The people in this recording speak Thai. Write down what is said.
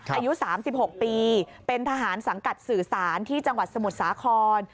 อายุ๓๖ปีเป็นทหารสังกัดสื่อสารที่จังหวัดสมุทรสาคร